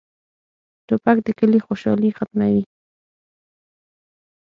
توپک د کلي خوشالي ختموي.